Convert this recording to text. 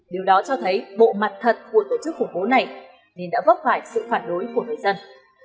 điều đó cho thấy bộ mặt thật của tổ chức khủng bố này nên đã vấp phải sự phản đối của người dân